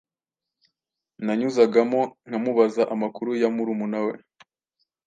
nanyuzagamo nkamubaza amakuru ya murumuna we